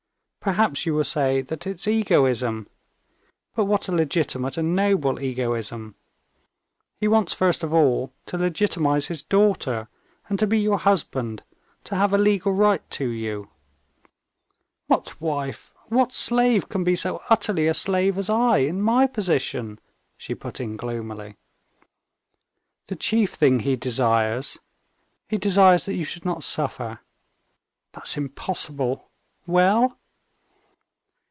Perhaps you will say that it's egoism, but what a legitimate and noble egoism. He wants first of all to legitimize his daughter, and to be your husband, to have a legal right to you." "What wife, what slave can be so utterly a slave as I, in my position?" she put in gloomily. "The chief thing he desires ... he desires that you should not suffer." "That's impossible. Well?"